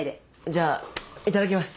じゃあいただきます。